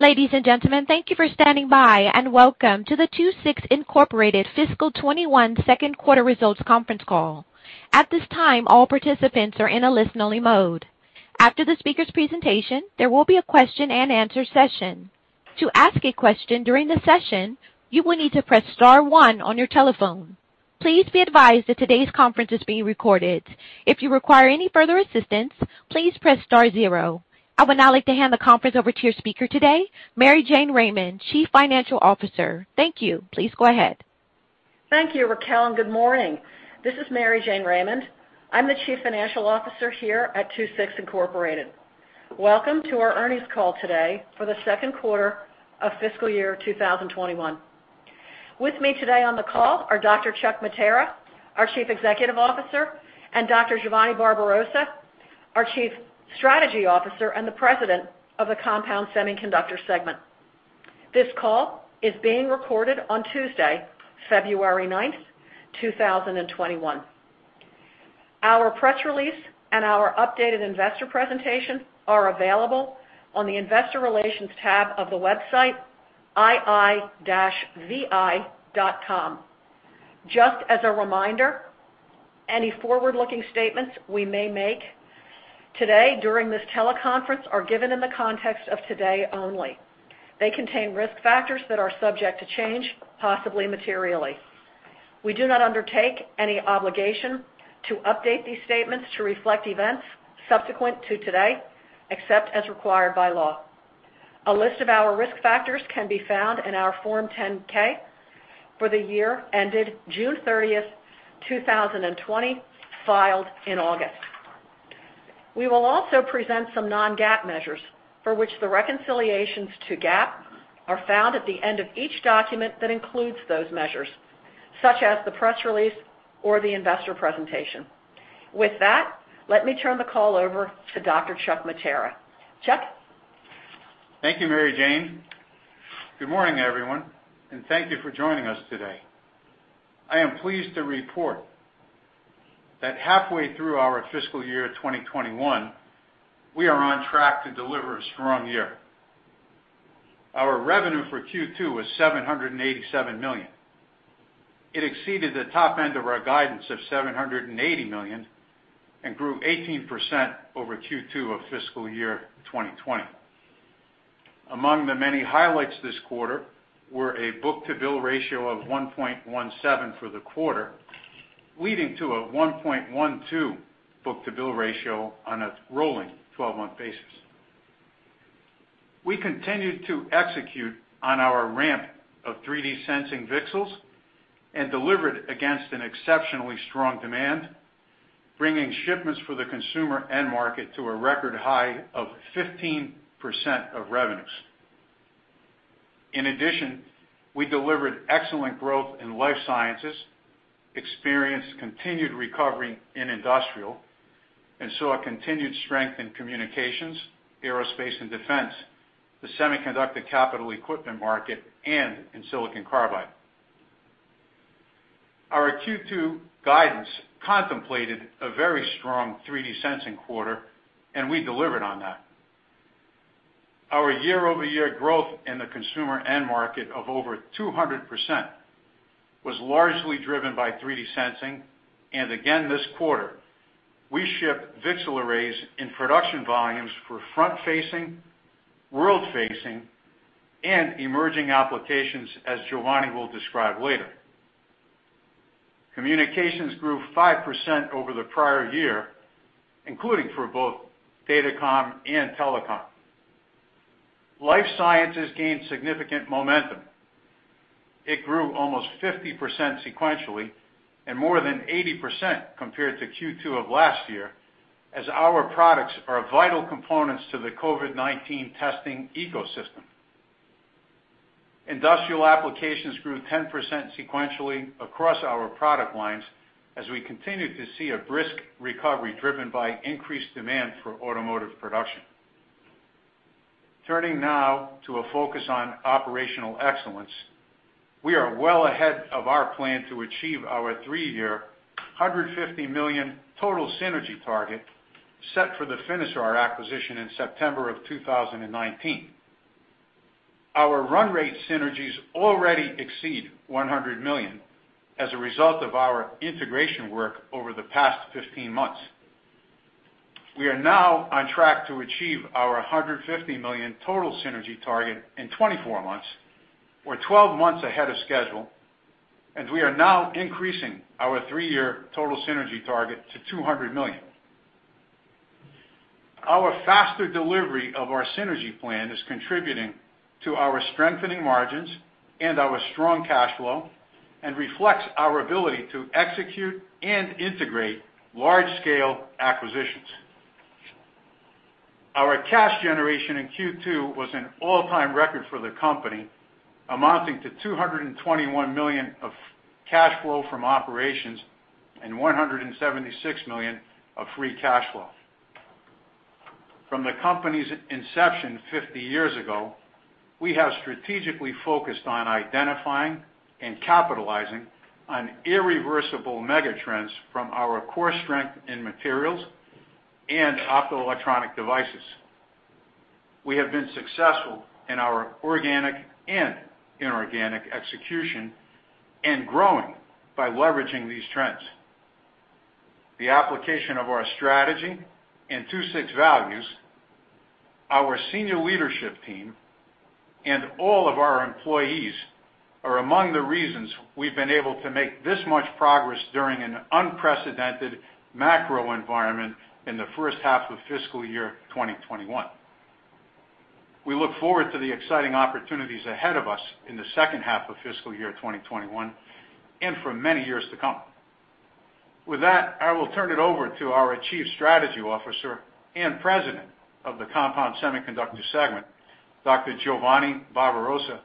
Ladies and gentlemen, thank you for standing by, and welcome to the II-VI Incorporated Fiscal 2021 Second Quarter Results Conference Call. At this time, all participants are in a listen-only mode. After the speakers' presentation, there will be a question and answer session. To ask a question during the session, you will need to press star one on your telephone. Please be advised that today's conference is being recorded. If you require any further assistance, please press star zero. I would now like to hand the conference over to your speaker today, Mary Jane Raymond, Chief Financial Officer. Thank you. Please go ahead. Thank you, Raquel, and good morning. This is Mary Jane Raymond. I'm the Chief Financial Officer here at II-VI Incorporated. Welcome to our earnings call today for the second quarter of fiscal year 2021. With me today on the call are Dr. Chuck Mattera, our Chief Executive Officer, and Dr. Giovanni Barbarossa, our Chief Strategy Officer and the President of the Compound Semiconductor segment. This call is being recorded on Tuesday, February 9th, 2021. Our press release and our updated investor presentation are available on the investor relations tab of the website ii-vi.com. Just as a reminder, any forward-looking statements we may make today during this teleconference are given in the context of today only. They contain risk factors that are subject to change, possibly materially. We do not undertake any obligation to update these statements to reflect events subsequent to today, except as required by law. A list of our risk factors can be found in our Form 10-K for the year ended June 30th, 2020, filed in August. We will also present some non-GAAP measures for which the reconciliations to GAAP are found at the end of each document that includes those measures, such as the press release or the investor presentation. With that, let me turn the call over to Dr. Chuck Mattera. Chuck? Thank you, Mary Jane. Good morning, everyone, and thank you for joining us today. I am pleased to report that halfway through our fiscal year 2021, we are on track to deliver a strong year. Our revenue for Q2 was $787 million. It exceeded the top end of our guidance of $780 million and grew 18% over Q2 of fiscal year 2020. Among the many highlights this quarter were a book-to-bill ratio of 1.17 for the quarter, leading to a 1.12 book-to-bill ratio on a rolling 12-month basis. We continued to execute on our ramp of 3D sensing VCSELs and delivered against an exceptionally strong demand, bringing shipments for the consumer end market to a record high of 15% of revenues. In addition, we delivered excellent growth in life sciences, experienced continued recovery in industrial, and saw a continued strength in communications, aerospace and defense, the semiconductor capital equipment market, and in silicon carbide. Our Q2 guidance contemplated a very strong 3D sensing quarter, and we delivered on that. Our year-over-year growth in the consumer end market of over 200% was largely driven by 3D sensing, and again this quarter, we shipped VCSEL arrays in production volumes for front-facing, world-facing, and emerging applications, as Giovanni will describe later. Communications grew 5% over the prior year, including for both datacom and telecom. Life sciences gained significant momentum. It grew almost 50% sequentially and more than 80% compared to Q2 of last year, as our products are vital components to the COVID-19 testing ecosystem. Industrial applications grew 10% sequentially across our product lines as we continued to see a brisk recovery driven by increased demand for automotive production. Turning now to a focus on operational excellence, we are well ahead of our plan to achieve our three-year $150 million total synergy target set for the Finisar acquisition in September of 2019. Our run rate synergies already exceed $100 million as a result of our integration work over the past 15 months. We are now on track to achieve our $150 million total synergy target in 24 months. We're 12 months ahead of schedule. We are now increasing our three-year total synergy target to $200 million. Our faster delivery of our synergy plan is contributing to our strengthening margins and our strong cash flow and reflects our ability to execute and integrate large-scale acquisitions. Our cash generation in Q2 was an all-time record for the company, amounting to $221 million of cash flow from operations and $176 million of free cash flow. From the company's inception 50 years ago we have strategically focused on identifying and capitalizing on irreversible mega trends from our core strength in materials and optoelectronic devices. We have been successful in our organic and inorganic execution and growing by leveraging these trends. The application of our strategy and II-VI values, our senior leadership team, and all of our employees are among the reasons we've been able to make this much progress during an unprecedented macro environment in the first half of fiscal year 2021. We look forward to the exciting opportunities ahead of us in the second half of fiscal year 2021 and for many years to come. With that, I will turn it over to our Chief Strategy Officer and President of the Compound Semiconductor segment, Dr. Giovanni Barbarossa,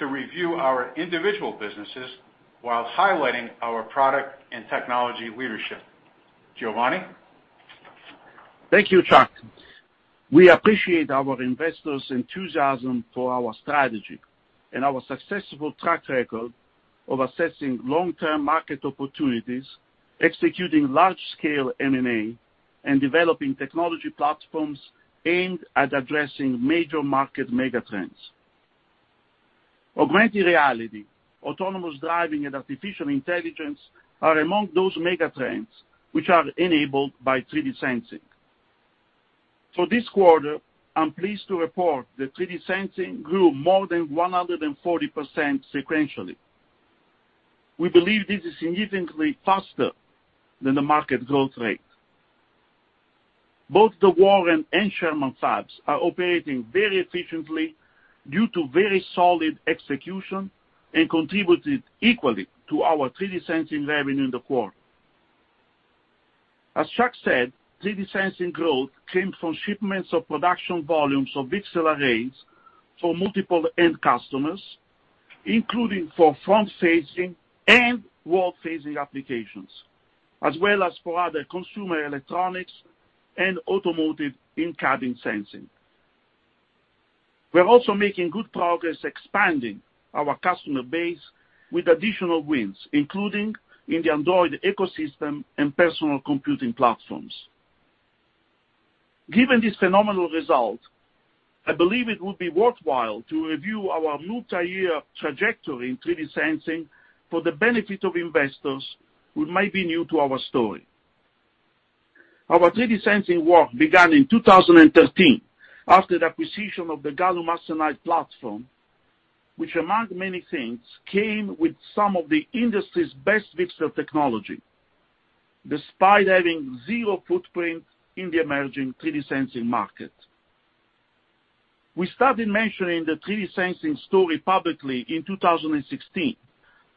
to review our individual businesses while highlighting our product and technology leadership. Giovanni? Thank you, Chuck. We appreciate our investors' enthusiasm for our strategy and our successful track record of assessing long-term market opportunities, executing large-scale M&A, and developing technology platforms aimed at addressing major market mega trends. Augmented reality, autonomous driving, and artificial intelligence are among those mega trends, which are enabled by 3D sensing. For this quarter, I am pleased to report that 3D sensing grew more than 140% sequentially. We believe this is significantly faster than the market growth rate. Both the Warren and Sherman fabs are operating very efficiently due to very solid execution and contributed equally to our 3D sensing revenue in the quarter. As Chuck said, 3D sensing growth came from shipments of production volumes of VCSEL arrays for multiple end customers, including for front-facing and world-facing applications, as well as for other consumer electronics and automotive in-cabin sensing. We're also making good progress expanding our customer base with additional wins, including in the Android ecosystem and personal computing platforms. Given this phenomenal result, I believe it would be worthwhile to review our multi-year trajectory in 3D sensing for the benefit of investors who might be new to our story. Our 3D sensing work began in 2013 after the acquisition of the gallium arsenide platform, which among many things, came with some of the industry's best VCSEL technology, despite having zero footprint in the emerging 3D sensing market. We started mentioning the 3D sensing story publicly in 2016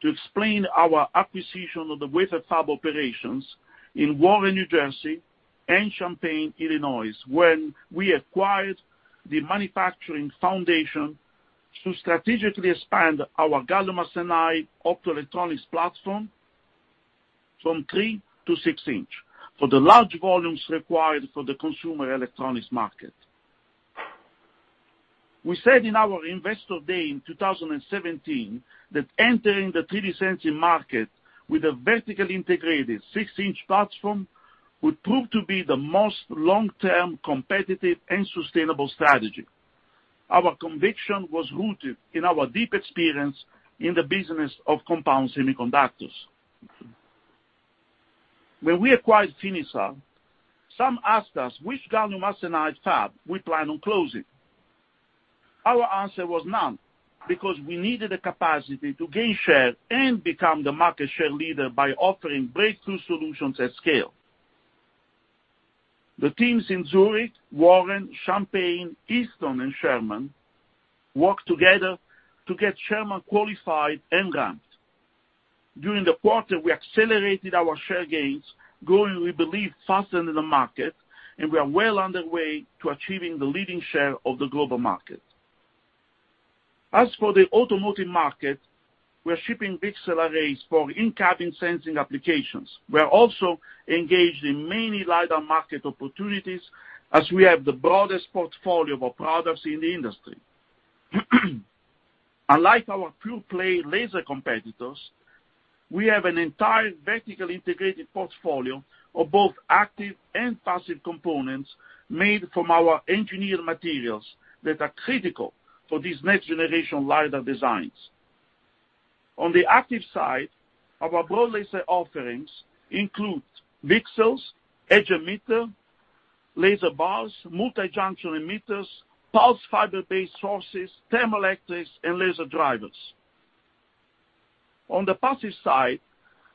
to explain our acquisition of the wafer fab operations in Warren, New Jersey, and Champaign, Illinois, when we acquired the manufacturing foundation to strategically expand our gallium arsenide optoelectronics platform from three to six inch for the large volumes required for the consumer electronics market. We said in our investor day in 2017 that entering the 3D sensing market with a vertically integrated six-inch platform would prove to be the most long-term competitive and sustainable strategy. Our conviction was rooted in our deep experience in the business of Compound Semiconductors. When we acquired Finisar, some asked us which gallium arsenide fab we plan on closing. Our answer was none, because we needed the capacity to gain share and become the market share leader by offering breakthrough solutions at scale. The teams in Zurich, Warren, Champaign, Easton, and Sherman worked together to get Sherman qualified and ramped. During the quarter, we accelerated our share gains, growing, we believe, faster than the market, and we are well underway to achieving the leading share of the global market. As for the automotive market, we're shipping VCSEL arrays for in-cabin sensing applications. We are also engaged in many LiDAR market opportunities as we have the broadest portfolio of products in the industry. Unlike our pure-play laser competitors, we have an entire vertically integrated portfolio of both active and passive components made from our engineered materials that are critical for these next-generation LiDAR designs. On the active side, our broad laser offerings include VCSELs, edge emitter, laser bars, multi-junction emitters, pulse fiber-based sources, thermoelectrics, and laser drivers. On the passive side,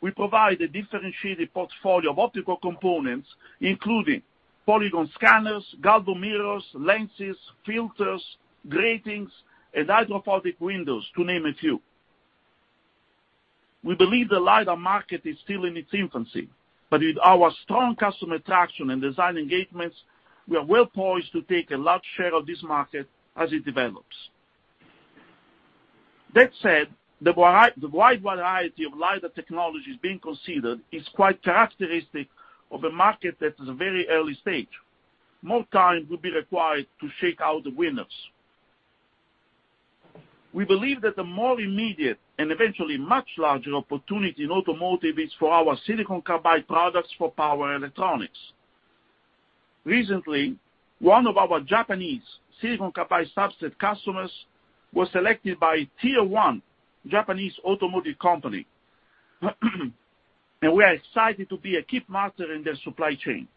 we provide a differentiated portfolio of optical components, including polygon scanners, galvo mirrors, lenses, filters, gratings, and hydrophobic windows, to name a few. We believe the LiDAR market is still in its infancy, but with our strong customer traction and design engagements, we are well poised to take a large share of this market as it develops. That said, the wide variety of LiDAR technologies being considered is quite characteristic of a market that is at a very early stage. More time will be required to shake out the winners. We believe that the more immediate and eventually much larger opportunity in automotive is for our silicon carbide products for power electronics. Recently, one of our Japanese silicon carbide substrate customers was selected by Tier 1 Japanese automotive company, and we are excited to be a key partner in their supply chain.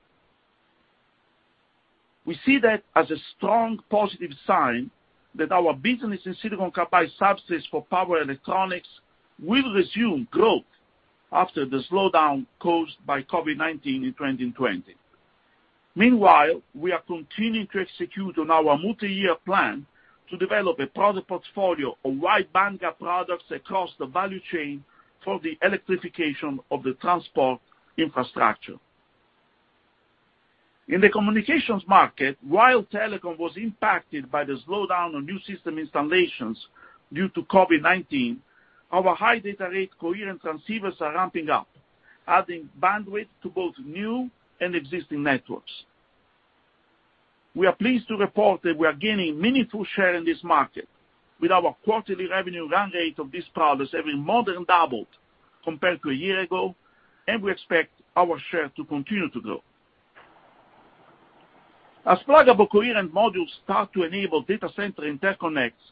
We see that as a strong positive sign that our business in silicon carbide substrates for power electronics will resume growth after the slowdown caused by COVID-19 in 2020. Meanwhile, we are continuing to execute on our multi-year plan to develop a product portfolio of wide bandgap products across the value chain for the electrification of the transport infrastructure. In the communications market, while telecom was impacted by the slowdown on new system installations due to COVID-19, our high data rate coherent transceivers are ramping up, adding bandwidth to both new and existing networks. We are pleased to report that we are gaining meaningful share in this market with our quarterly revenue run rate of these products having more than doubled compared to a year ago. We expect our share to continue to grow. As pluggable coherent modules start to enable data center interconnects,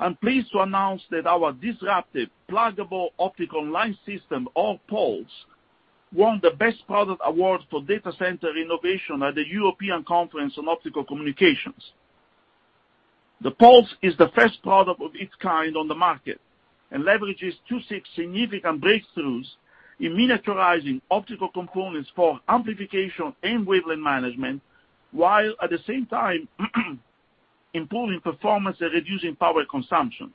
I'm pleased to announce that our disruptive Pluggable Optical Line System, or POLS, won the Best Product Award for Data Center Innovation at the European Conference on Optical Communication. The POLS is the first product of its kind on the market and leverages II-VI significant breakthroughs in miniaturizing optical components for amplification and wavelength management, while at the same time, improving performance and reducing power consumption.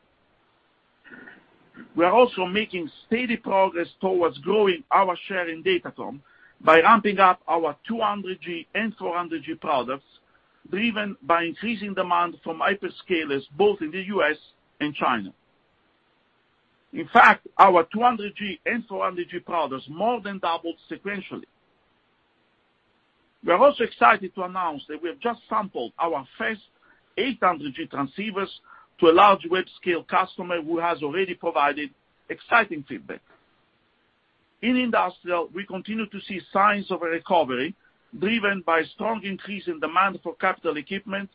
We are also making steady progress towards growing our share in datacom by ramping up our 200G and 400G products, driven by increasing demand from hyperscalers both in the U.S. and China. Our 200G and 400G products more than doubled sequentially. We are also excited to announce that we have just sampled our first 800G transceivers to a large web-scale customer who has already provided exciting feedback. In industrial, we continue to see signs of a recovery driven by strong increase in demand for capital equipment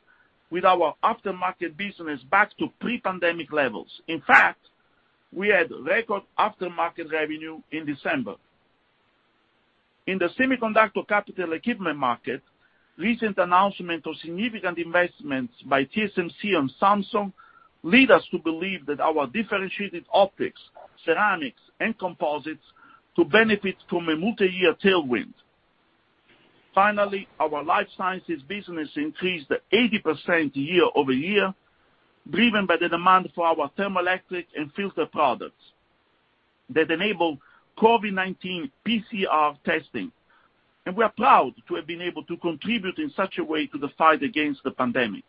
with our aftermarket business back to pre-pandemic levels. We had record aftermarket revenue in December. In the semiconductor capital equipment market, recent announcement of significant investments by TSMC and Samsung lead us to believe that our differentiated optics, ceramics, and composites to benefit from a multi-year tailwind. Finally, our life sciences business increased 80% year-over-year, driven by the demand for our thermoelectric and filter products that enable COVID-19 PCR testing, and we are proud to have been able to contribute in such a way to the fight against the pandemic.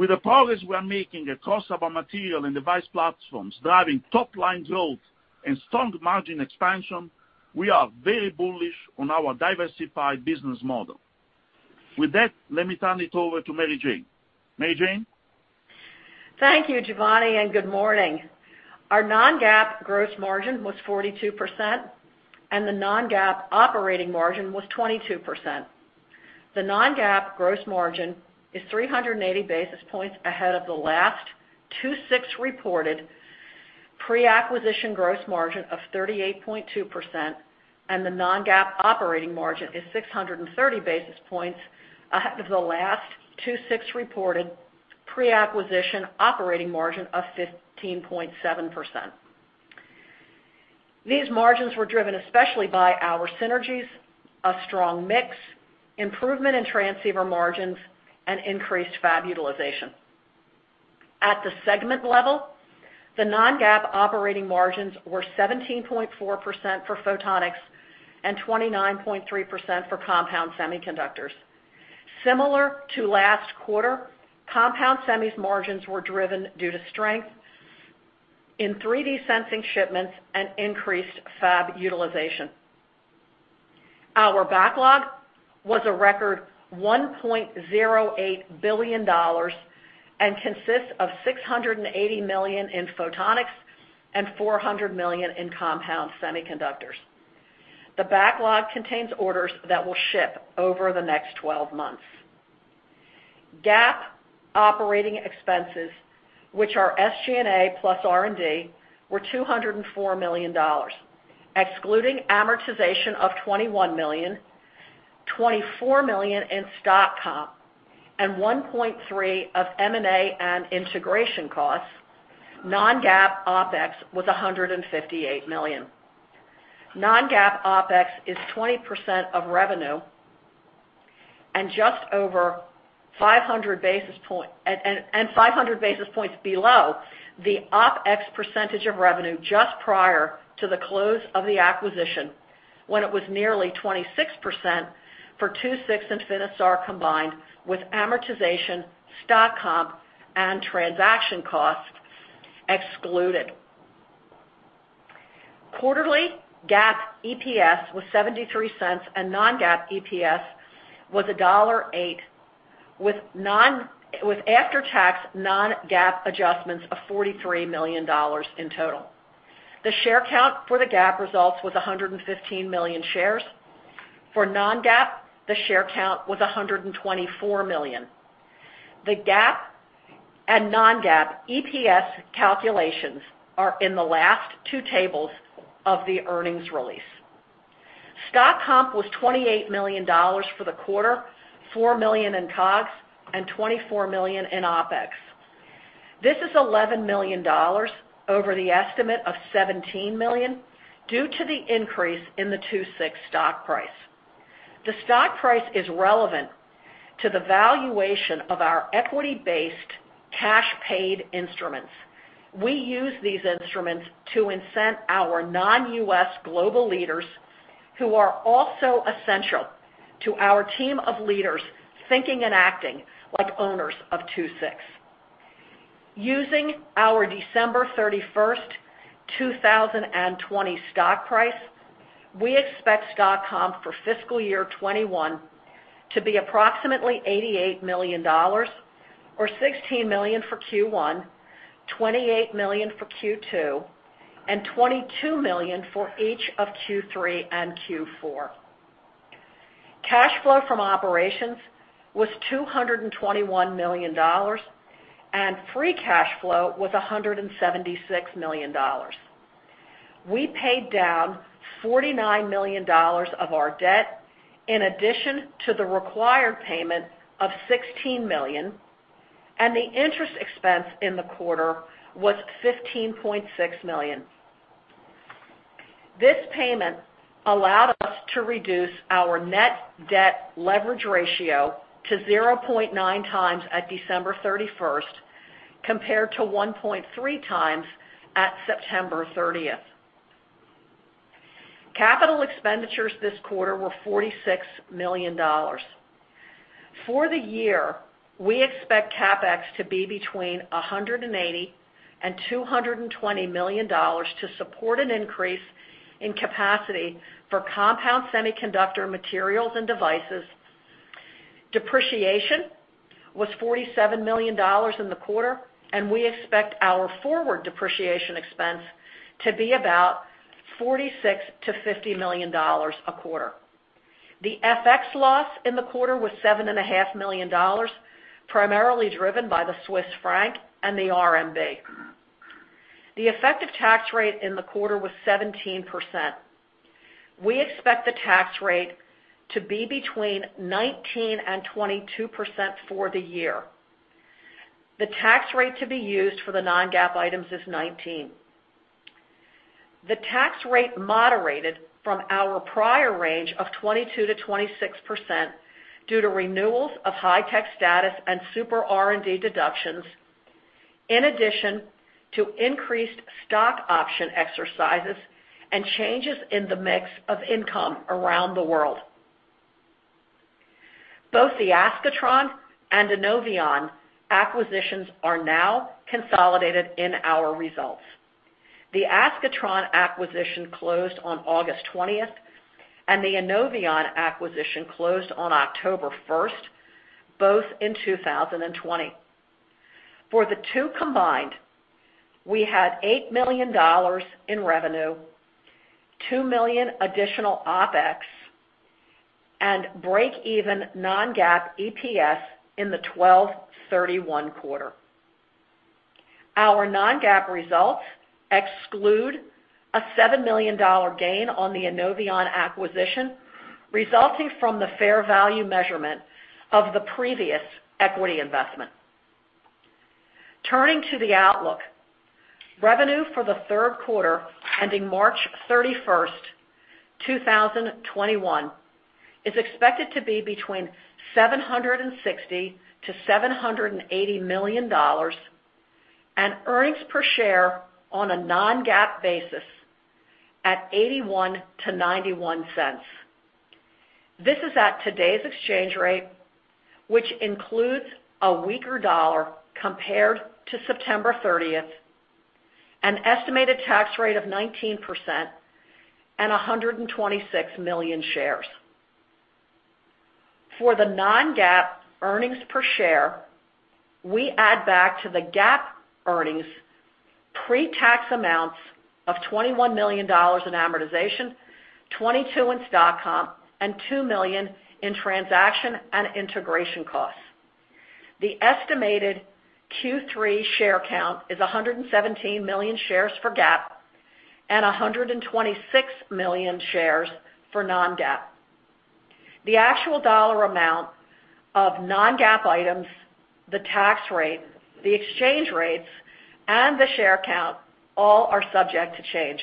With the progress we are making across our material and device platforms driving top-line growth and strong margin expansion, we are very bullish on our diversified business model. With that, let me turn it over to Mary Jane. Mary Jane? Thank you, Giovanni, and good morning. Our non-GAAP gross margin was 42%, and the non-GAAP operating margin was 22%. The non-GAAP gross margin is 380 basis points ahead of the last II-VI reported pre-acquisition gross margin of 38.2%, and the non-GAAP operating margin is 630 basis points ahead of the last II-VI reported pre-acquisition operating margin of 15.7%. These margins were driven especially by our synergies, a strong mix, improvement in transceiver margins, and increased fab utilization. At the segment level, the non-GAAP operating margins were 17.4% for Photonics and 29.3% for Compound Semiconductors. Similar to last quarter, Compound Semi's margins were driven due to strength in 3D sensing shipments and increased fab utilization. Our backlog was a record $1.08 billion and consists of $680 million in Photonics and $400 million in Compound Semiconductors. The backlog contains orders that will ship over the next 12 months. GAAP operating expenses, which are SG&A plus R&D, were $204 million. Excluding amortization of $21 million, $24 million in stock comp, and $1.3 million of M&A and integration costs, non-GAAP OpEx was $158 million. Non-GAAP OpEx is 20% of revenue and 500 basis points below the OpEx percentage of revenue just prior to the close of the acquisition, when it was nearly 26% for II-VI and Finisar combined with amortization, stock comp, and transaction costs excluded. Quarterly GAAP EPS was $0.73, and non-GAAP EPS was $1.08, with after-tax non-GAAP adjustments of $43 million in total. The share count for the GAAP results was 115 million shares. For non-GAAP, the share count was 124 million. The GAAP and non-GAAP EPS calculations are in the last two tables of the earnings release. Stock comp was $28 million for the quarter, $4 million in COGS, and $24 million in OpEx. This is $11 million over the estimate of $17 million due to the increase in the II-VI stock price. The stock price is relevant to the valuation of our equity-based cash paid instruments. We use these instruments to incent our non-U.S. global leaders, who are also essential to our team of leaders thinking and acting like owners of II-VI. Using our December 31st, 2020 stock price, we expect stock comp for fiscal year 2021 to be approximately $88 million, or $16 million for Q1, $28 million for Q2, and $22 million for each of Q3 and Q4. Cash flow from operations was $221 million, and free cash flow was $176 million. We paid down $49 million of our debt in addition to the required payment of $16 million, and the interest expense in the quarter was $15.6 million. This payment allowed us to reduce our net debt leverage ratio to 0.9x at December 31st compared to 1.3x at September 30th. Capital expenditures this quarter were $46 million. For the year, we expect CapEx to be between $180 million and $220 million to support an increase in capacity for Compound Semiconductor materials and devices. Depreciation was $47 million in the quarter. We expect our forward depreciation expense to be about $46 million-$50 million a quarter. The FX loss in the quarter was $7.5 million, primarily driven by the Swiss franc and the RMB. The effective tax rate in the quarter was 17%. We expect the tax rate to be between 19% and 22% for the year. The tax rate to be used for the non-GAAP items is 19%. The tax rate moderated from our prior range of 22%-26% due to renewals of high tech status and super R&D deductions, in addition to increased stock option exercises and changes in the mix of income around the world. Both the Ascatron and INNOViON acquisitions are now consolidated in our results. The Ascatron acquisition closed on August 20th, and the INNOViON acquisition closed on October 1st, both in 2020. For the two combined, we had $8 million in revenue, $2 million additional OpEx, and break even non-GAAP EPS in the 12/31 quarter. Our non-GAAP results exclude a $7 million gain on the INNOViON acquisition, resulting from the fair value measurement of the previous equity investment. Turning to the outlook, revenue for the third quarter ending March 31st, 2021 is expected to be between $760 million-$780 million, and earnings per share on a non-GAAP basis at $0.81-$0.91. This is at today's exchange rate, which includes a weaker dollar compared to September 30th, an estimated tax rate of 19%, and 126 million shares. For the non-GAAP earnings per share, we add back to the GAAP earnings pre-tax amounts of $21 million in amortization, $22 million in stock comp, and $2 million in transaction and integration costs. The estimated Q3 share count is 117 million shares for GAAP and 126 million shares for non-GAAP. The actual dollar amount of non-GAAP items, the tax rate, the exchange rates, and the share count all are subject to change.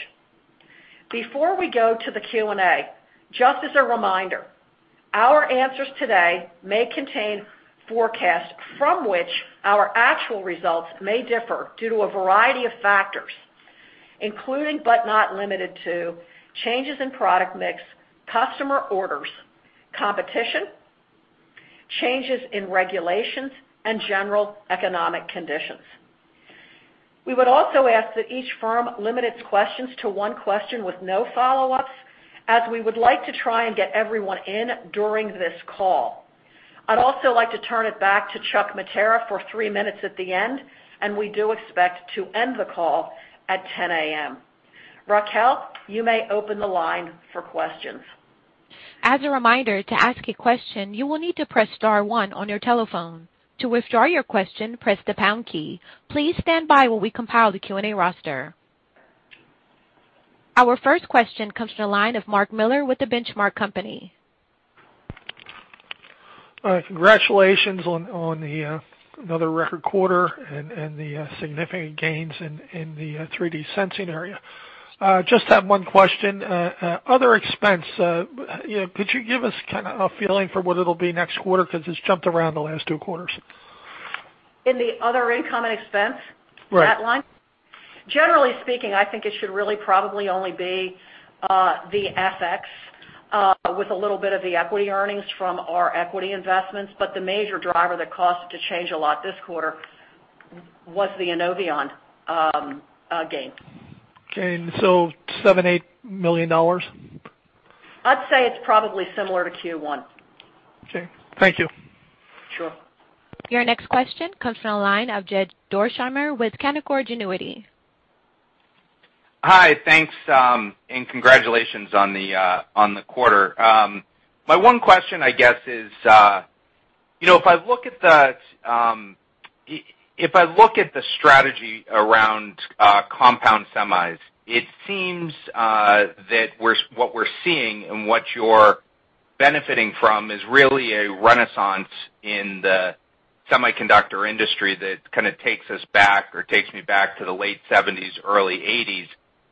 Before we go to the Q&A, just as a reminder Our answers today may contain forecasts from which our actual results may differ due to a variety of factors, including, but not limited to, changes in product mix, customer orders, competition, changes in regulations, and general economic conditions. We would also ask that each firm limit its questions to one question with no follow-ups, as we would like to try and get everyone in during this call. I'd also like to turn it back to Chuck Mattera for three minutes at the end. We do expect to end the call at 10:00 A.M. Raquel, you may open the line for questions. As a reminder, to ask a question, you will need to press star one on your telephone. To withdraw your question, press the pound key. Please stand by while we compile the Q&A roster. Our first question comes from the line of Mark Miller with The Benchmark Company. All right. Congratulations on another record quarter and the significant gains in the 3D sensing area. Just have one question. Other expense, could you give us a feeling for what it'll be next quarter? It's jumped around the last two quarters. In the other income and expense. Right that line? Generally speaking, I think it should really probably only be the FX with a little bit of the equity earnings from our equity investments. The major driver, the cost to change a lot this quarter was the INNOViON gain. Okay. $7 million, $8 million? I'd say it's probably similar to Q1. Okay. Thank you. Sure. Your next question comes from the line of Jed Dorsheimer with Canaccord Genuity. Hi, thanks, congratulations on the quarter. My one question, I guess, is if I look at the strategy around Compound semis, it seems that what we're seeing and what you're benefiting from is really a renaissance in the semiconductor industry that takes us back, or takes me back to the late 1970s, early 1980s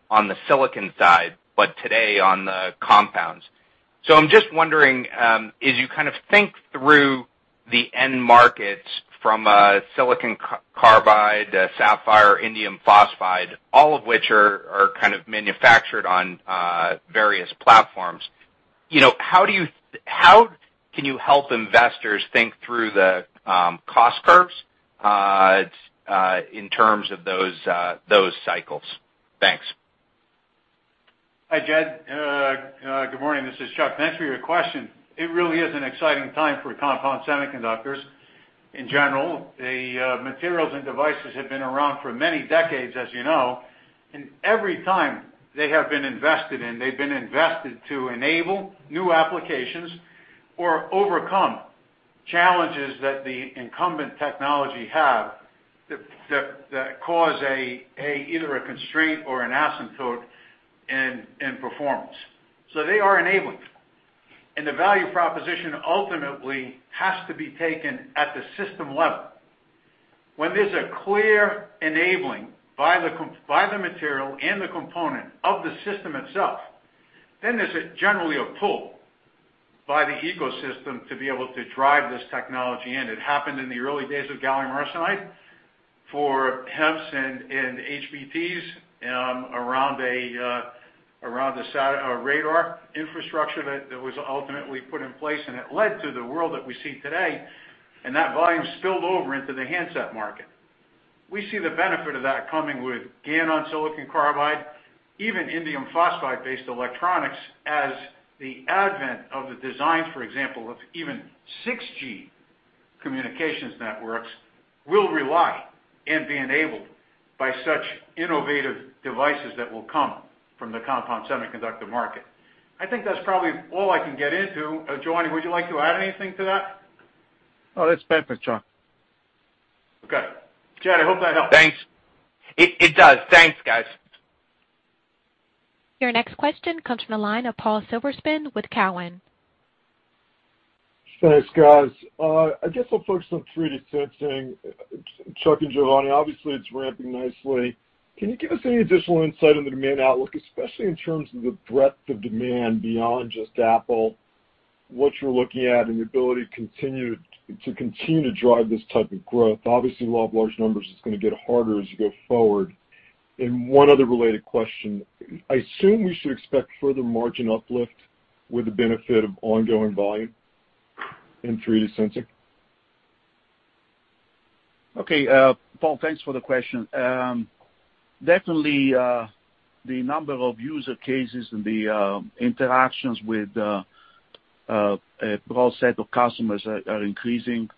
on the silicon side, but today on the compounds. I'm just wondering, as you think through the end markets from silicon carbide, sapphire, indium phosphide, all of which are kind of manufactured on various platforms, how can you help investors think through the cost curves in terms of those cycles? Thanks. Hi, Jed. Good morning. This is Chuck. Thanks for your question. It really is an exciting time for Compound Semiconductors in general. The materials and devices have been around for many decades, as you know. Every time they have been invested in, they've been invested to enable new applications or overcome challenges that the incumbent technology have that cause either a constraint or an asymptote in performance. They are enabling. The value proposition ultimately has to be taken at the system level. There's a clear enabling by the material and the component of the system itself, then there's generally a pull by the ecosystem to be able to drive this technology, and it happened in the early days of gallium arsenide for HEMTs and HBTs around the radar infrastructure that was ultimately put in place, and it led to the world that we see today, and that volume spilled over into the handset market. We see the benefit of that coming with GaN on silicon carbide, even indium phosphide-based electronics as the advent of the designs, for example, of even 6G communications networks will rely and be enabled by such innovative devices that will come from the Compound Semiconductor market. I think that's probably all I can get into. Giovanni, would you like to add anything to that? No, that's perfect, Chuck. Okay. Jed, I hope that helped. Thanks. It does. Thanks, guys. Your next question comes from the line of Paul Silverstein with Cowen. Thanks, guys. I guess I'll focus on 3D sensing. Chuck and Giovanni, obviously it's ramping nicely. Can you give us any additional insight on the demand outlook, especially in terms of the breadth of demand beyond just Apple, what you're looking at, and the ability to continue to drive this type of growth? Obviously, law of large numbers is going to get harder as you go forward. One other related question. I assume we should expect further margin uplift with the benefit of ongoing volume in 3D sensing. Paul, thanks for the question. Definitely, the number of use cases and the interactions with a broad set of customers are increasing.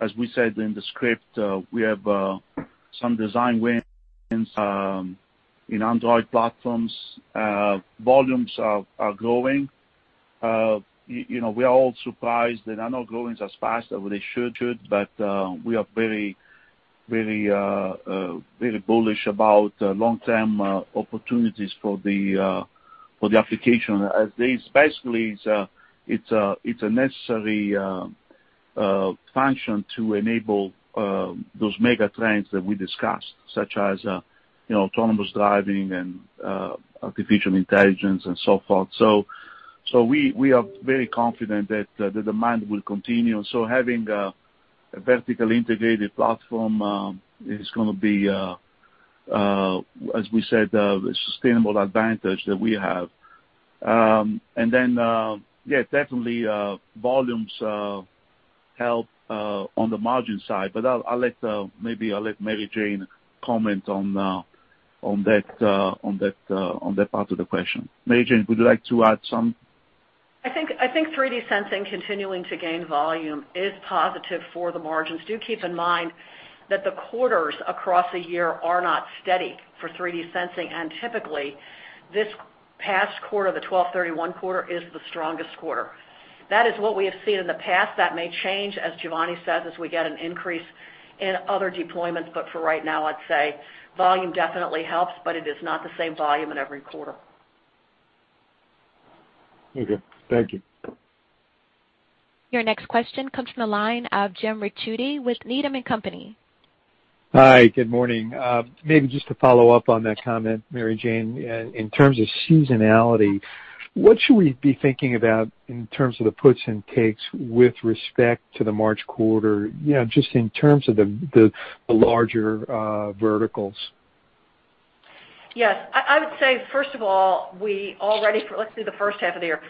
As we said in the script, we have some design wins in Android platforms. Volumes are growing. We are all surprised they are not growing as fast as they should, we are very bullish about long-term opportunities for the application as basically it's a necessary function to enable those mega trends that we discussed, such as autonomous driving and artificial intelligence and so forth. We are very confident that the demand will continue. Having a vertically integrated platform is going to be, as we said, a sustainable advantage that we have. Yeah, definitely volumes help on the margin side. I'll let Mary Jane comment on that part of the question. Mary Jane, would you like to add some? I think 3D sensing continuing to gain volume is positive for the margins. Do keep in mind that the quarters across a year are not steady for 3D sensing. Typically this past quarter, the 12/31 quarter, is the strongest quarter. That is what we have seen in the past. That may change, as Giovanni says, as we get an increase in other deployments. For right now, I'd say volume definitely helps, but it is not the same volume in every quarter. Okay. Thank you. Your next question comes from the line of Jim Ricchiuti with Needham & Company. Hi, good morning. Maybe just to follow up on that comment, Mary Jane. In terms of seasonality, what should we be thinking about in terms of the puts and takes with respect to the March quarter, just in terms of the larger verticals? Yes. I would say, first of all, let's do the first half of the year.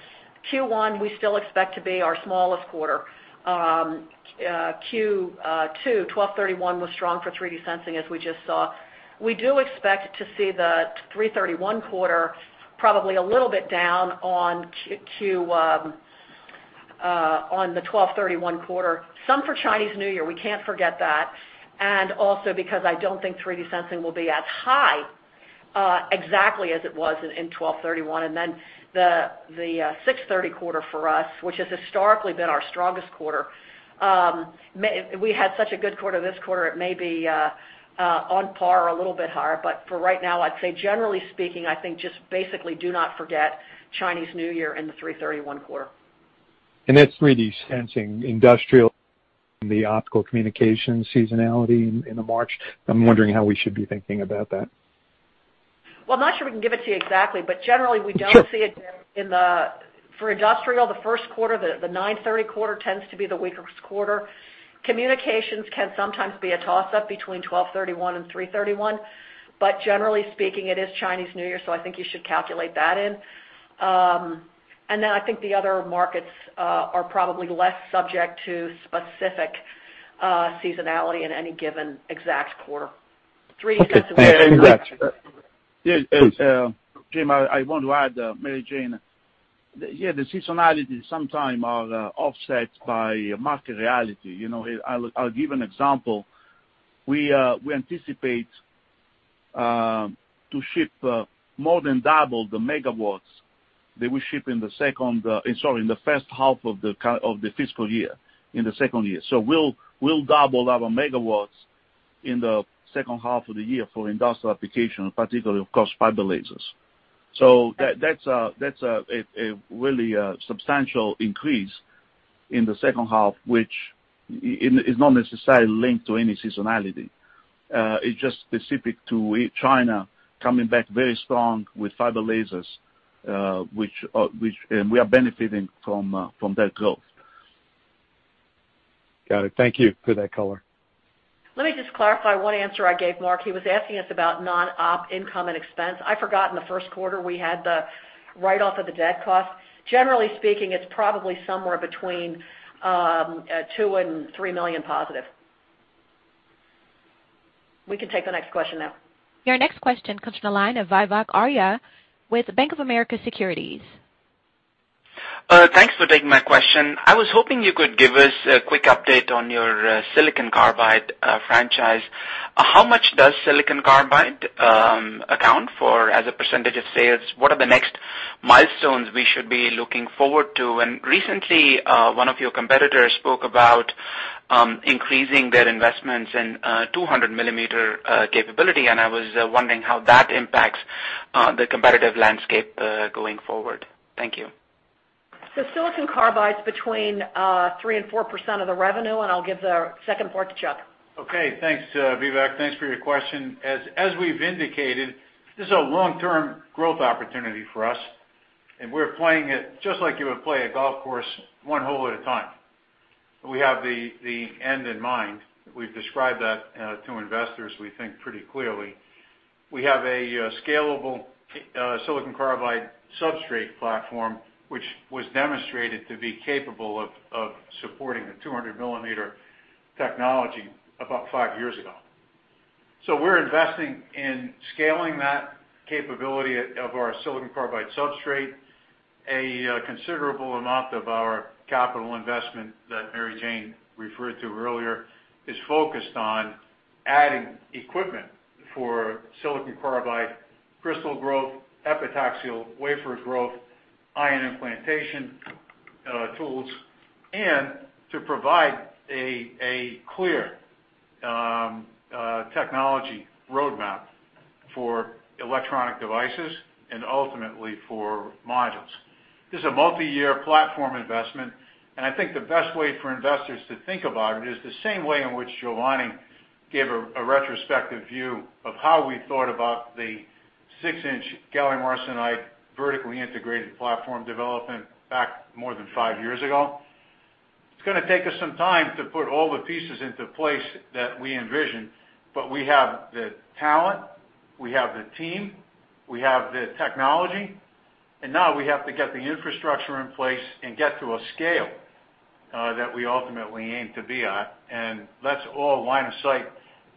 Q1, we still expect to be our smallest quarter. Q2 2021 was strong for 3D sensing, as we just saw. We do expect to see the 3/31 quarter probably a little bit down on the 12/31 quarter. Some for Chinese New Year, we can't forget that. Also because I don't think 3D sensing will be as high exactly as it was in 12/31. Then the 6/30 quarter for us, which has historically been our strongest quarter, we had such a good quarter this quarter, it may be on par or a little bit higher. For right now, I'd say generally speaking, I think just basically do not forget Chinese New Year and the 3/31 quarter. That's 3D sensing, industrial, the optical communication seasonality in March. I'm wondering how we should be thinking about that. Well, I'm not sure we can give it to you exactly, but generally we don't see it for industrial, the first quarter, the 9/30 quarter tends to be the weakest quarter. Communications can sometimes be a toss-up between 12/31 and 3/31. Generally speaking, it is Chinese New Year, so I think you should calculate that in. Then I think the other markets are probably less subject to specific seasonality in any given exact quarter. Okay. Jim, I want to add, Mary Jane. Yeah, the seasonality sometime are offset by market reality. I'll give an example. We anticipate to ship more than double the megawatts that we ship in the first half of the fiscal year, in the second half. We'll double our megawatts in the second half of the year for industrial application, particularly, of course, fiber lasers. That's a really substantial increase in the second half, which is not necessarily linked to any seasonality. It's just specific to China coming back very strong with fiber lasers, and we are benefiting from that growth. Got it. Thank you for that color. Let me just clarify one answer I gave Mark. He was asking us about non-op income and expense. I forgot in the first quarter, we had the write-off of the debt cost. Generally speaking, it is probably somewhere between $2 million and $3 million+. We can take the next question now. Your next question comes from the line of Vivek Arya with Bank of America Securities. Thanks for taking my question. I was hoping you could give us a quick update on your silicon carbide franchise. How much does silicon carbide account for as a percentage of sales? What are the next milestones we should be looking forward to? Recently, one of your competitors spoke about increasing their investments in 200-mm capability, and I was wondering how that impacts the competitive landscape going forward. Thank you. Silicon carbide's between 3% and 4% of the revenue, and I'll give the second part to Chuck. Thanks, Vivek. Thanks for your question. As we've indicated, this is a long-term growth opportunity for us, and we're playing it just like you would play a golf course, one hole at a time. We have the end in mind. We've described that to investors, we think pretty clearly. We have a scalable silicon carbide substrate platform, which was demonstrated to be capable of supporting the 200-mm technology about five years ago. We're investing in scaling that capability of our silicon carbide substrate. A considerable amount of our capital investment that Mary Jane referred to earlier is focused on adding equipment for silicon carbide crystal growth, epitaxial wafer growth, ion implantation tools, and to provide a clear technology roadmap for electronic devices and ultimately for modules. This is a multi-year platform investment. I think the best way for investors to think about it is the same way in which Giovanni gave a retrospective view of how we thought about the six-inch gallium arsenide vertically integrated platform development back more than five years ago. It's going to take us some time to put all the pieces into place that we envision. We have the talent, we have the team, we have the technology, and now we have to get the infrastructure in place and get to a scale that we ultimately aim to be at, and that's all line of sight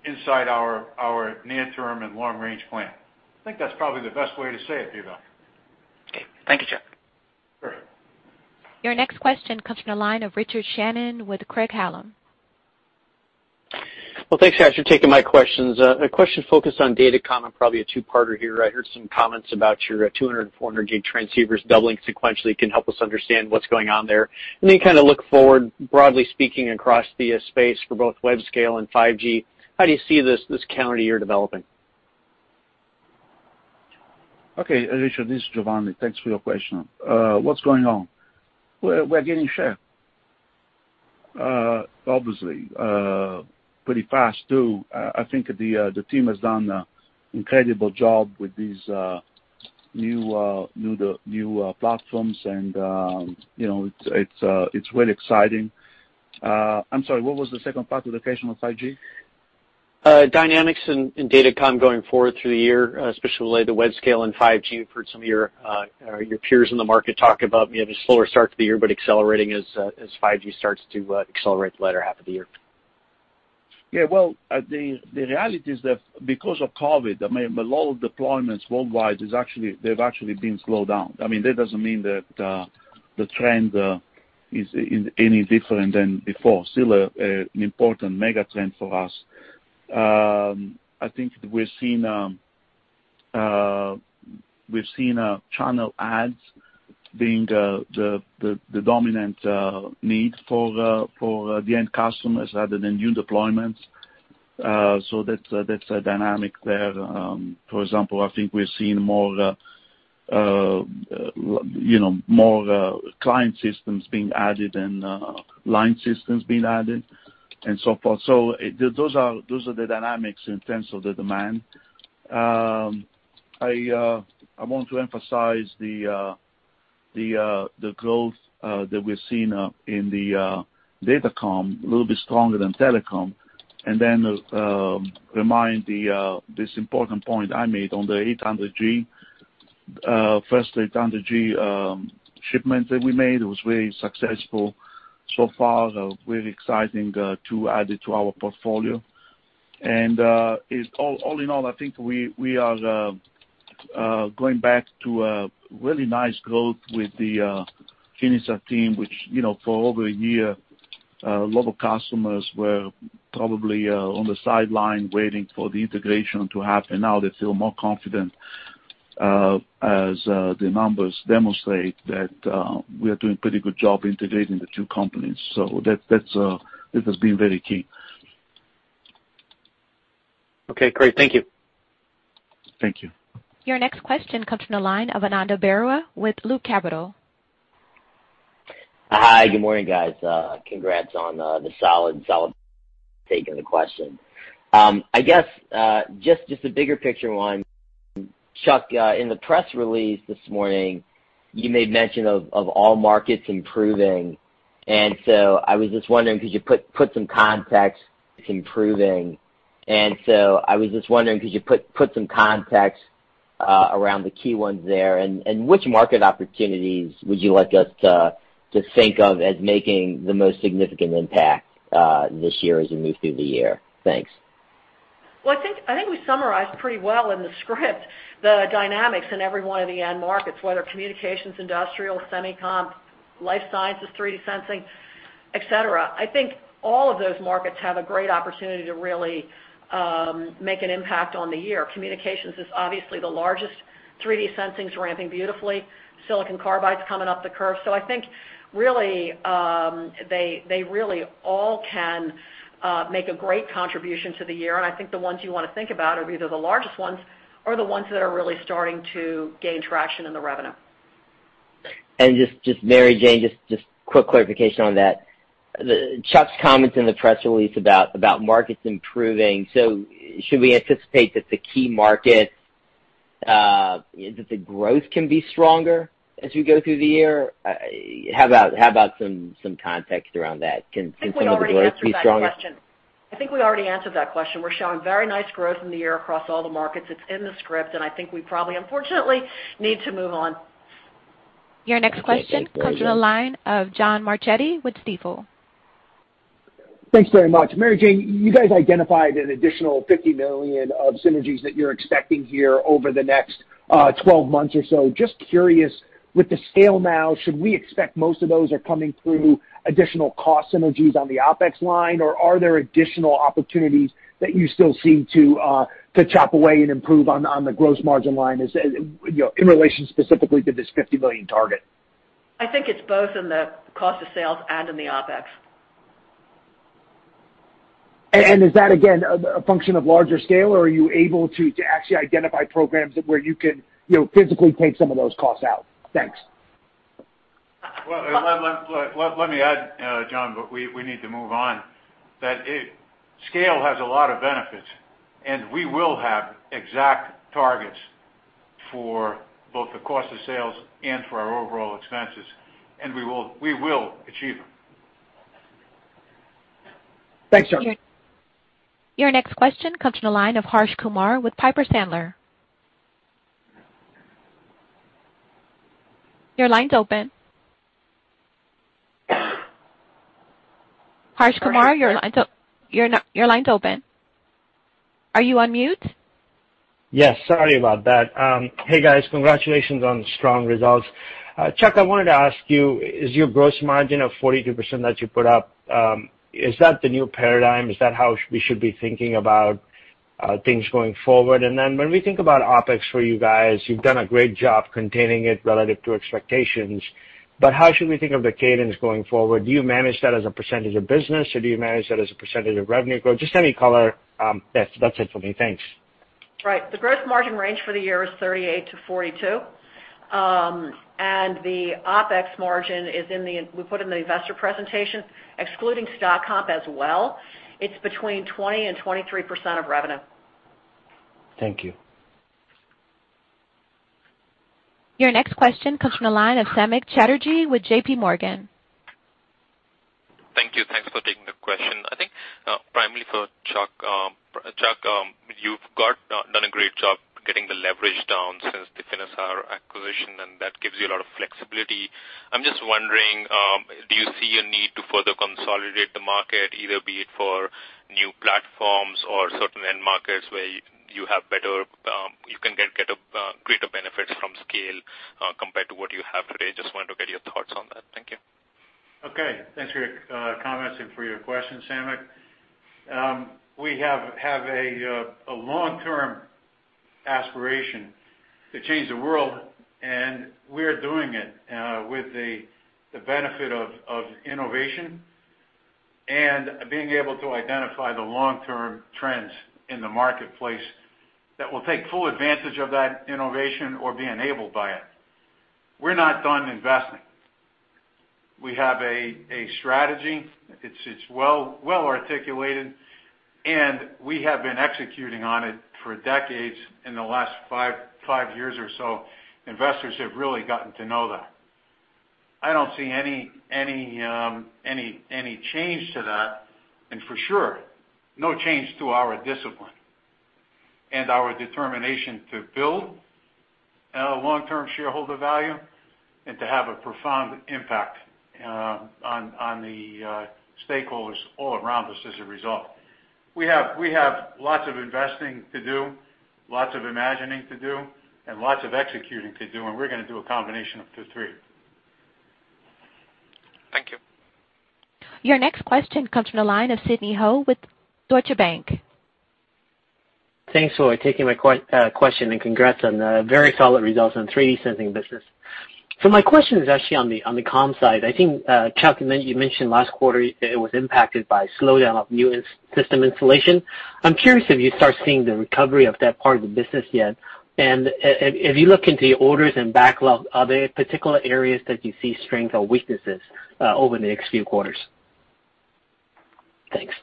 inside our near-term and long-range plan. I think that's probably the best way to say it, Vivek. Okay. Thank you, Chuck. Sure. Your next question comes from the line of Richard Shannon with Craig-Hallum. Well, thanks, guys, for taking my questions. A question focused on datacom and probably a two-parter here. I heard some comments about your 200G and 400G transceivers doubling sequentially. Can you help us understand what's going on there? Then kind of look forward, broadly speaking, across the space for both web scale and 5G, how do you see this calendar year developing? Okay, Richard, this is Giovanni. Thanks for your question. What's going on? We're gaining share. Obviously, pretty fast, too. I think the team has done an incredible job with these new platforms and it's really exciting. I'm sorry, what was the second part of the question on 5G? Dynamics in datacom going forward through the year, especially the web scale and 5G. Heard some of your peers in the market talk about maybe a slower start to the year, but accelerating as 5G starts to accelerate the latter half of the year. Yeah. Well, the reality is that because of COVID, a lot of deployments worldwide they've actually been slowed down. That doesn't mean that the trend is any different than before. Still an important mega trend for us. I think we've seen channel adds being the dominant need for the end customers rather than new deployments. That's a dynamic there. For example, I think we're seeing more client systems being added and line systems being added and so forth. Those are the dynamics in terms of the demand. I want to emphasize the growth that we're seeing in the datacom, a little bit stronger than telecom. Remind this important point I made on the 800G. First 800G shipment that we made was very successful so far, so really exciting to add it to our portfolio. All in all, I think we are going back to a really nice growth with the Finisar team, which for over a year, a lot of customers were probably on the sideline waiting for the integration to happen. Now they feel more confident, as the numbers demonstrate, that we are doing pretty good job integrating the two companies. This has been very key. Okay, great. Thank you. Thank you. Your next question comes from the line of Ananda Baruah with Loop Capital. Hi, good morning, guys. Congrats on the solid quarter. I'll take the question. I guess, just a bigger picture one. Chuck, in the press release this morning, you made mention of all markets improving, and so I was just wondering, could you put some context around the key ones there, and which market opportunities would you like us to think of as making the most significant impact this year as we move through the year? Thanks. Well, I think we summarized pretty well in the script the dynamics in every one of the end markets, whether communications, industrial, semicap, life sciences, 3D sensing, et cetera. I think all of those markets have a great opportunity to really make an impact on the year. Communications is obviously the largest. 3D sensing's ramping beautifully. silicon carbide's coming up the curve. I think they really all can make a great contribution to the year, and I think the ones you want to think about are either the largest ones or the ones that are really starting to gain traction in the revenue. Mary Jane, just quick clarification on that. Chuck's comments in the press release about markets improving. Should we anticipate that the growth can be stronger as we go through the year? How about some context around that? Can some of the growth be stronger? I think we already answered that question. We're showing very nice growth in the year across all the markets. It's in the script, and I think we probably, unfortunately, need to move on. Okay. Thank you. Your next question comes from the line of John Marchetti with Stifel. Thanks very much. Mary Jane, you guys identified an additional $50 million of synergies that you're expecting here over the next 12 months or so. Just curious, with the scale now, should we expect most of those are coming through additional cost synergies on the OpEx line, or are there additional opportunities that you still see to chop away and improve on the gross margin line in relation specifically to this $50 million target? I think it's both in the cost of sales and in the OpEx. Is that again a function of larger scale, or are you able to actually identify programs where you can physically take some of those costs out? Thanks. Well, let me add, John, but we need to move on. That scale has a lot of benefits, and we will have exact targets for both the cost of sales and for our overall expenses, and we will achieve them. Thanks, Chuck. Your next question comes from the line of Harsh Kumar with Piper Sandler. Your line's open. Harsh Kumar, your line's open. Are you on mute? Yes. Sorry about that. Hey, guys. Congratulations on the strong results. Chuck, I wanted to ask you, is your gross margin of 42% that you put up, is that the new paradigm? Is that how we should be thinking about things going forward? When we think about OpEx for you guys, you've done a great job containing it relative to expectations, but how should we think of the cadence going forward? Do you manage that as a percentage of business, or do you manage that as a percentage of revenue growth? Just any color. That's it for me. Thanks. Right. The gross margin range for the year is 38%-42%. The OpEx margin we put in the investor presentation, excluding stock comp as well. It's between 20% and 23% of revenue. Thank you. Your next question comes from the line of Samik Chatterjee with JPMorgan. Thank you. Thanks for taking the question. I think, primarily for Chuck. Chuck, you've done a great job getting the leverage down since the Finisar acquisition, and that gives you a lot of flexibility. I'm just wondering, do you see a need to further consolidate the market, either be it for new platforms or certain end markets where you can get greater benefits from scale, compared to what you have today? Just wanted to get your thoughts on that. Thank you. Thanks for your comments and for your question, Samik. We have a long-term aspiration to change the world, and we're doing it with the benefit of innovation and being able to identify the long-term trends in the marketplace that will take full advantage of that innovation or be enabled by it. We're not done investing. We have a strategy. It's well-articulated, and we have been executing on it for decades. In the last five years or so, investors have really gotten to know that. I don't see any change to that, and for sure, no change to our discipline and our determination to build long-term shareholder value and to have a profound impact on the stakeholders all around us as a result. We have lots of investing to do, lots of imagining to do, and lots of executing to do, and we're going to do a combination of the three. Thank you. Your next question comes from the line of Sidney Ho with Deutsche Bank. Thanks for taking my question. Congrats on the very solid results on 3D sensing business. My question is actually on the comms side. I think, Chuck, you mentioned last quarter it was impacted by slowdown of new system installation. I'm curious if you start seeing the recovery of that part of the business yet. If you look into the orders and backlog, are there particular areas that you see strength or weaknesses over the next few quarters? Thanks.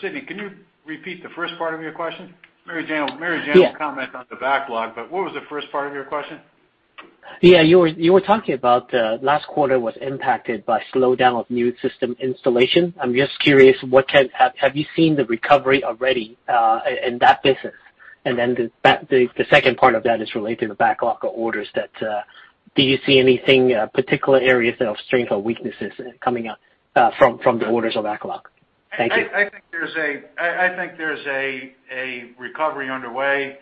Sidney, can you repeat the first part of your question? Yeah. Mary Jane will comment on the backlog, but what was the first part of your question? Yeah. You were talking about last quarter was impacted by slowdown of new system installation. I'm just curious, have you seen the recovery already in that business? The second part of that is related to backlog of orders. Do you see anything, particular areas of strength or weaknesses coming up from the orders of backlog? Thank you. I think there's a recovery underway.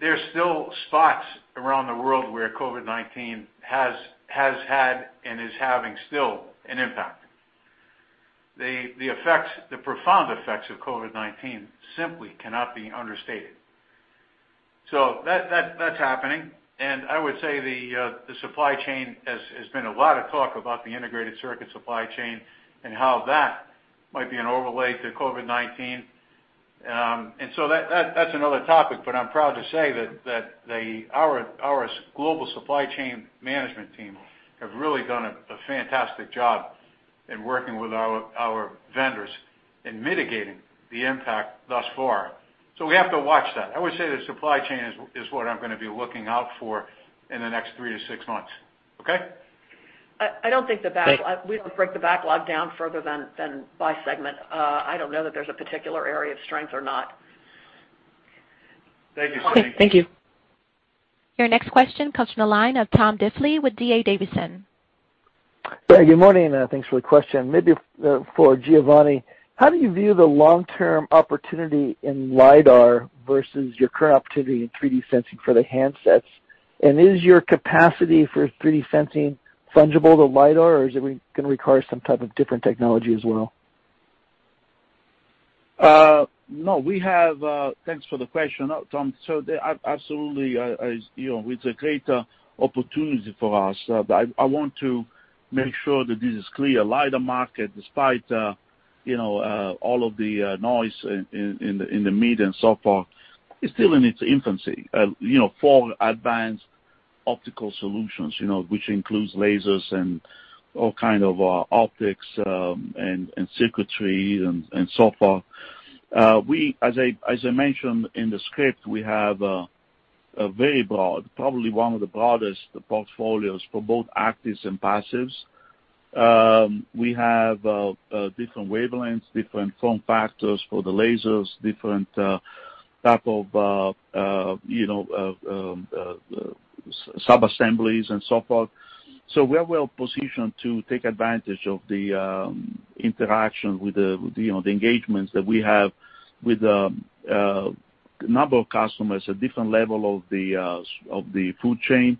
There's still spots around the world where COVID-19 has had and is having still an impact. The profound effects of COVID-19 simply cannot be understated. That's happening. I would say the supply chain, there's been a lot of talk about the integrated circuit supply chain and how that might be an overlay to COVID-19. That's another topic, but I'm proud to say that our global supply chain management team have really done a fantastic job in working with our vendors in mitigating the impact thus far. We have to watch that. I would say the supply chain is what I'm going to be looking out for in the next three to six months. Okay. I don't think the back- Thanks. We don't break the backlog down further than by segment. I don't know that there's a particular area of strength or not. Thank you, Sidney. Okay. Thank you. Your next question comes from the line of Tom Diffely with D.A. Davidson. Good morning, thanks for the question. Maybe for Giovanni, how do you view the long-term opportunity in LiDAR versus your current opportunity in 3D sensing for the handsets? Is your capacity for 3D sensing fungible to LiDAR, or is it going to require some type of different technology as well? Thanks for the question, Tom. Absolutely, it's a great opportunity for us. I want to make sure that this is clear. LiDAR market, despite all of the noise in the media and so forth, is still in its infancy. For advanced optical solutions, which includes lasers and all kind of optics, and circuitry, and so forth. As I mentioned in the script, we have a very broad, probably one of the broadest portfolios for both actives and passives. We have different wavelengths, different form factors for the lasers, different type of sub-assemblies, and so forth. We are well-positioned to take advantage of the interaction with the engagements that we have with a number of customers at different level of the food chain.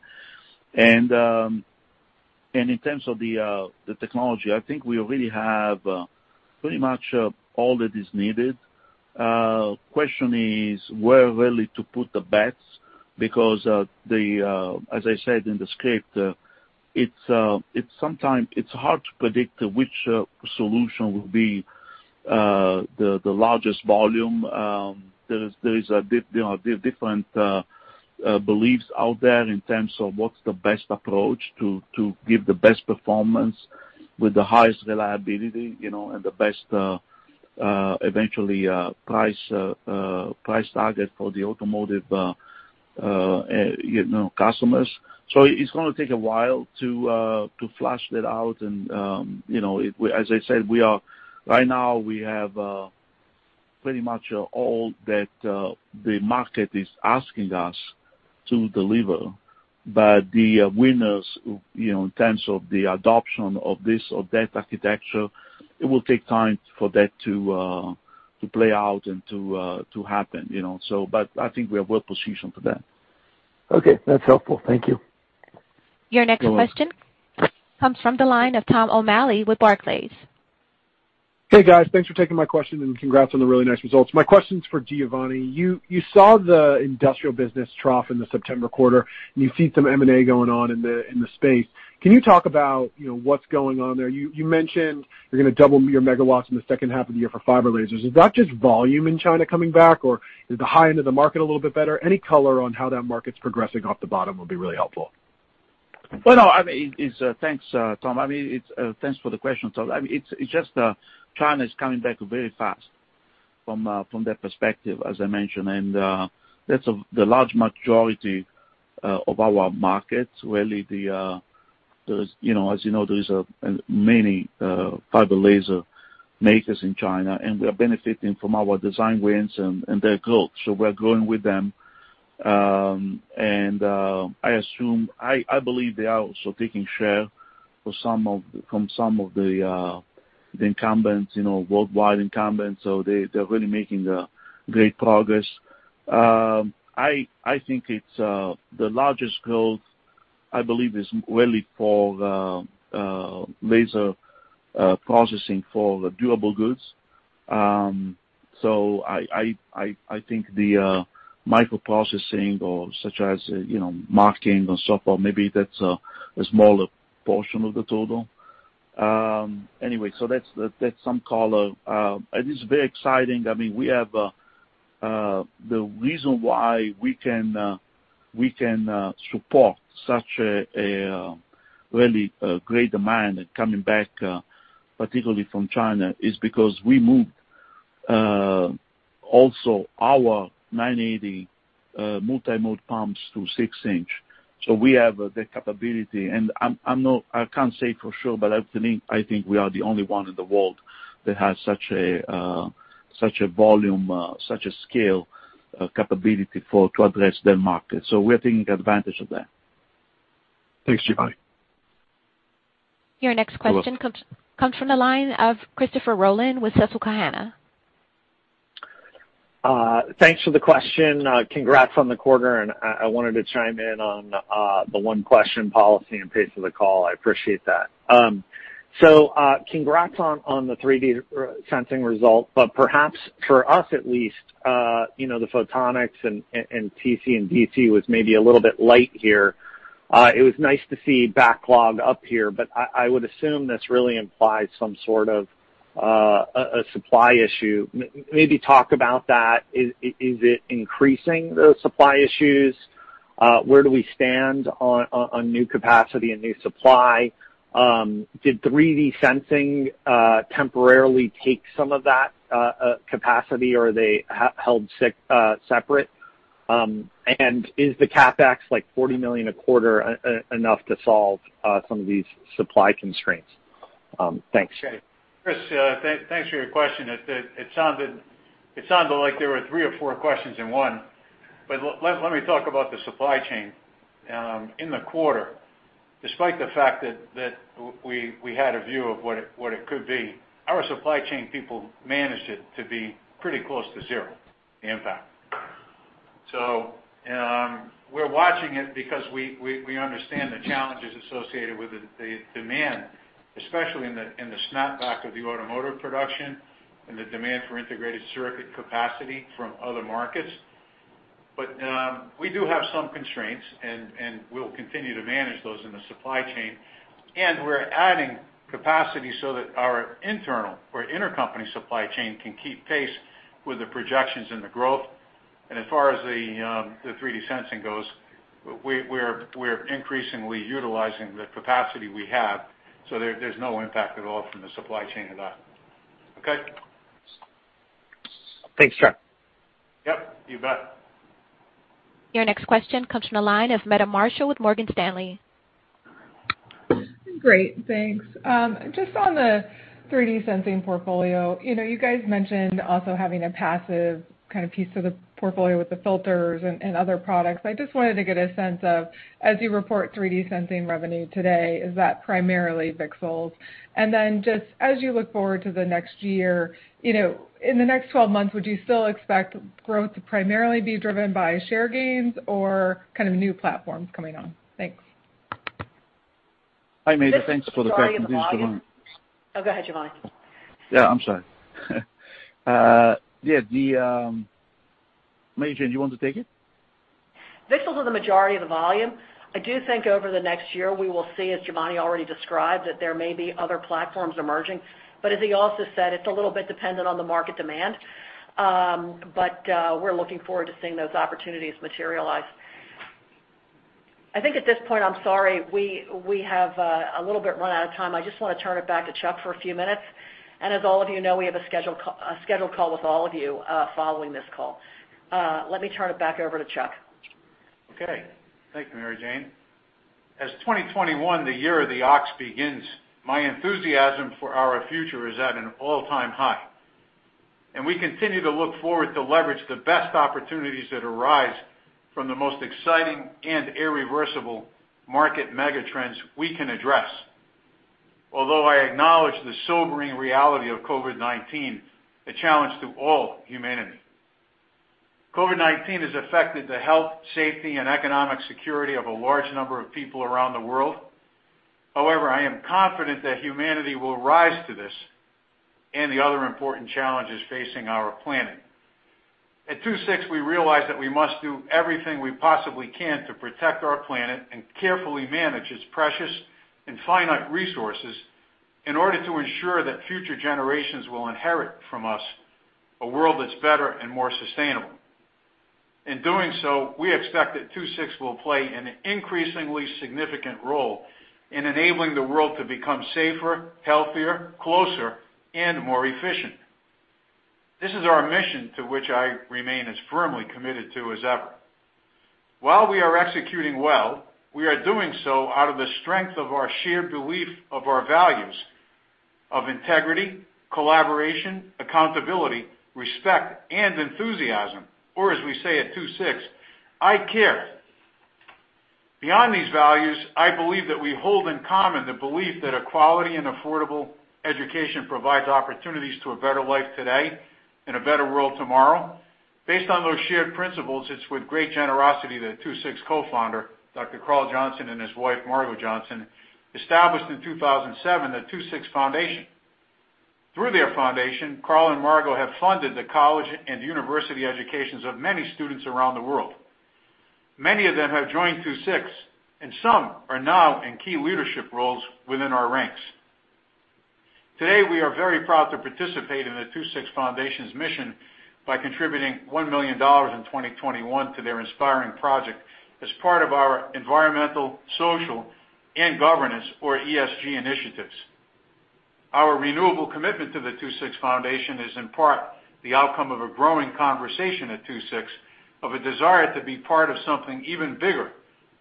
In terms of the technology, I think we already have pretty much all that is needed. Question is where really to put the bets, because as I said in the script, it's hard to predict which solution will be the largest volume. There is different beliefs out there in terms of what's the best approach to give the best performance with the highest reliability, and the best, eventually, price target for the automotive customers. It's going to take a while to flush that out and as I said, right now we have pretty much all that the market is asking us to deliver. The winners, in terms of the adoption of this or that architecture, it will take time for that to play out and to happen. I think we are well-positioned for that. Okay. That's helpful. Thank you. Your next question comes from the line of Tom O'Malley with Barclays. Hey, guys. Thanks for taking my question and congrats on the really nice results. My question's for Giovanni. You saw the industrial business trough in the September quarter. You see some M&A going on in the space. Can you talk about what's going on there? You mentioned you're going to double your megawatts in the second half of the year for fiber lasers. Is that just volume in China coming back, or is the high end of the market a little bit better? Any color on how that market's progressing off the bottom would be really helpful. Thanks, Tom. Thanks for the question. It's just China is coming back very fast from their perspective, as I mentioned, and that's the large majority of our market. As you know, there is many fiber laser makers in China, and we are benefiting from our design wins and their growth. We're growing with them. I believe they are also taking share from some of the incumbents, worldwide incumbents. They're really making great progress. I think the largest growth, I believe, is really for laser processing for durable goods. I think the microprocessing or such as marking and so forth, maybe that's a smaller portion of the total. Anyway, so that's some color. It is very exciting. The reason why we can support such a really great demand coming back, particularly from China, is because we moved also our 980 multimode pumps to six inch. We have the capability and I can't say for sure, but I think we are the only one in the world that has such a volume, such a scale capability to address their market. We're taking advantage of that. Thanks, Giovanni. Your next question comes from the line of Christopher Rolland with Susquehanna. Thanks for the question. Congrats on the quarter, I wanted to chime in on the one-question policy in pace of the call. I appreciate that. Congrats on the 3D sensing result, but perhaps for us at least, the Photonics and TC and DC was maybe a little bit light here. It was nice to see backlog up here, I would assume this really implies some sort of a supply issue. Maybe talk about that. Is it increasing the supply issues? Where do we stand on new capacity and new supply? Did 3D sensing temporarily take some of that capacity, or are they held separate? Is the CapEx, like $40 million a quarter, enough to solve some of these supply constraints? Thanks. Chris, thanks for your question. It sounded like there were three or four questions in one, let me talk about the supply chain. In the quarter, despite the fact that we had a view of what it could be, our supply chain people managed it to be pretty close to zero impact. We're watching it because we understand the challenges associated with the demand, especially in the snap back of the automotive production and the demand for integrated circuit capacity from other markets. We do have some constraints, we'll continue to manage those in the supply chain. We're adding capacity so that our internal or intercompany supply chain can keep pace with the projections and the growth. As far as the 3D sensing goes, we're increasingly utilizing the capacity we have, so there's no impact at all from the supply chain of that. Okay. Thanks, Chuck. Yep, you bet. Your next question comes from the line of Meta Marshall with Morgan Stanley. Great, thanks. On the 3D sensing portfolio. You guys mentioned also having a passive kind of piece of the portfolio with the filters and other products. I just wanted to get a sense of, as you report 3D sensing revenue today, is that primarily VCSELs? Then as you look forward to the next year, in the next 12 months, would you still expect growth to primarily be driven by share gains or kind of new platforms coming on? Thanks. Hi, Meta. Thanks for the question. This is Giovanni. This is Mary Jane Raymond. Oh, go ahead, Giovanni. Yeah, I'm sorry. Yeah. Mary Jane, do you want to take it? VCSELs are the majority of the volume. I do think over the next year, we will see, as Giovanni already described, that there may be other platforms emerging. As he also said, it's a little bit dependent on the market demand. We're looking forward to seeing those opportunities materialize. I think at this point, I'm sorry, we have a little bit run out of time. I just want to turn it back to Chuck for a few minutes. As all of you know, we have a scheduled call with all of you following this call. Let me turn it back over to Chuck. Okay. Thank you, Mary Jane. As 2021, the Year of the Ox begins, my enthusiasm for our future is at an all-time high. We continue to look forward to leverage the best opportunities that arise from the most exciting and irreversible market mega trends we can address. Although I acknowledge the sobering reality of COVID-19, a challenge to all humanity. COVID-19 has affected the health, safety, and economic security of a large number of people around the world. I am confident that humanity will rise to this and the other important challenges facing our planet. At II-VI, we realize that we must do everything we possibly can to protect our planet and carefully manage its precious and finite resources in order to ensure that future generations will inherit from us a world that's better and more sustainable. In doing so, we expect that II-VI will play an increasingly significant role in enabling the world to become safer, healthier, closer, and more efficient. This is our mission to which I remain as firmly committed to as ever. While we are executing well, we are doing so out of the strength of our shared belief of our values, of integrity, collaboration, accountability, respect, and enthusiasm, or as we say at II-VI, I-CARE. Beyond these values, I believe that we hold in common the belief that a quality and affordable education provides opportunities to a better life today and a better world tomorrow. Based on those shared principles, it's with great generosity that II-VI co-founder, Dr. Carl Johnson, and his wife, Margot Johnson, established in 2007, the II-VI Foundation. Through their foundation, Carl and Margot have funded the college and university educations of many students around the world. Many of them have joined II-VI, and some are now in key leadership roles within our ranks. Today, we are very proud to participate in the II-VI Foundation's mission by contributing $1 million in 2021 to their inspiring project as part of our environmental, social, and governance or ESG initiatives. Our renewable commitment to the II-VI Foundation is in part the outcome of a growing conversation at II-VI of a desire to be part of something even bigger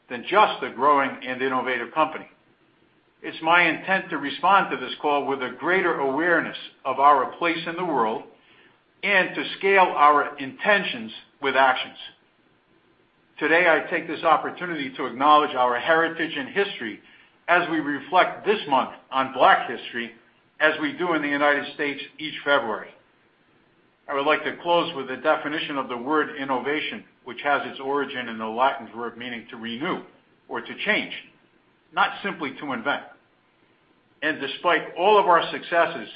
than just a growing and innovative company. It's my intent to respond to this call with a greater awareness of our place in the world, and to scale our intentions with actions. Today, I take this opportunity to acknowledge our heritage and history as we reflect this month on Black History as we do in the United States each February. I would like to close with the definition of the word innovation, which has its origin in the Latin word meaning to renew or to change, not simply to invent. Despite all of our successes,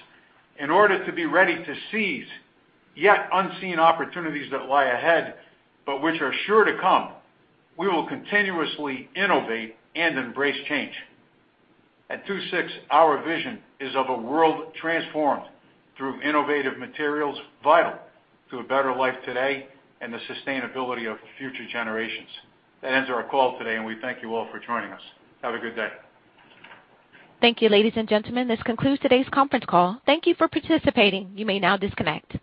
in order to be ready to seize yet unseen opportunities that lie ahead, but which are sure to come, we will continuously innovate and embrace change. At II-VI, our vision is of a world transformed through innovative materials vital to a better life today and the sustainability of future generations. That ends our call today, and we thank you all for joining us. Have a good day. Thank you, ladies and gentlemen. This concludes today's conference call. Thank you for participating. You may now disconnect.